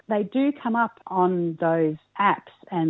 mereka akan muncul di aplikasi itu